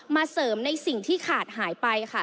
เสริมในสิ่งที่ขาดหายไปค่ะ